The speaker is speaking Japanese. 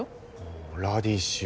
あラディッシュ。